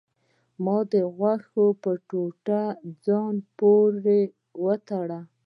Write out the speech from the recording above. ما د غوښې په ټوټه ځان پورې وتړه.